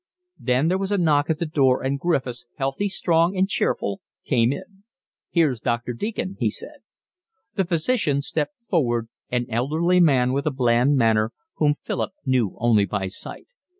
Then there was a knock at the door and Griffiths, healthy, strong, and cheerful, came in. "Here's Doctor Deacon," he said. The physician stepped forward, an elderly man with a bland manner, whom Philip knew only by sight.